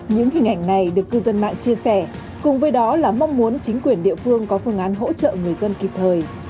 những hình ảnh này được cư dân mạng chia sẻ cùng với đó là mong muốn chính quyền địa phương có phương án hỗ trợ người dân kịp thời